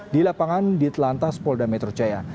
di lapangan di telantas polda metro jaya